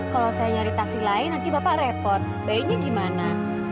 kalau saya nyari taksi lain nanti bapak repot bayinya gimana